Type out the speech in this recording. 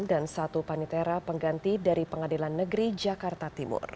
dan satu panitera pengganti dari pengadilan negeri jakarta timur